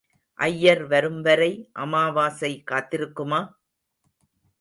ஐயர் வரும்வரை அமாவாசை காத்திருக்குமா?